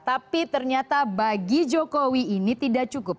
tapi ternyata bagi jokowi ini tidak cukup